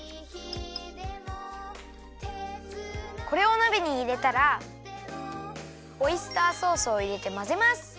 これをなべにいれたらオイスターソースをいれてまぜます！